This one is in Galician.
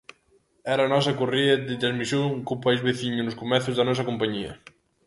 Era a nosa correa de transmisión co país veciño nos comezos da nosa compañía.